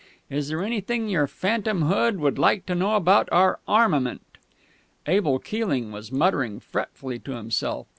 Is there anything your phantomhood would like to know about our armament?..." Abel Keeling was muttering fretfully to himself.